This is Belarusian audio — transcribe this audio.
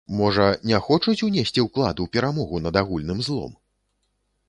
Можа, не хочуць унесці ўклад у перамогу над агульным злом?